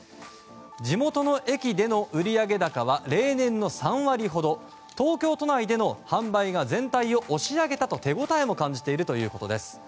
地元の駅での売上高は例年の３割ほど東京都内での販売が全体を押し上げたと手応えも感じているということです。